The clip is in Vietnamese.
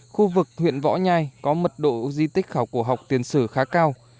khu vực huyện võ nhai có mật độ di tích khảo cổ học tiền sử khá cao